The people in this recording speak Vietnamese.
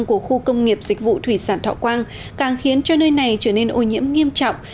của khu công nghiệp dịch vụ thủy sản thọ quang càng khiến cho nơi này trở nên ô nhiễm nghiêm trọng